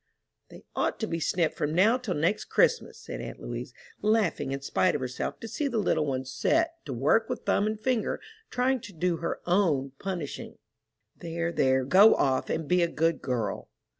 "They ought to be snipped from now till next Christmas," said aunt Louise, laughing in spite of herself to see the little one set to work with thumb and finger, trying to do her own punishing. "There, there, go off, and be a good girl."